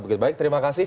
terima kasih mas hulus